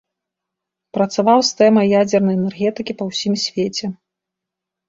Працаваў з тэмай ядзернай энергетыкі па ўсім свеце.